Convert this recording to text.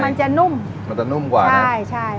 มันจะนุ่มมันจะนุ่มกว่าใช่ใช่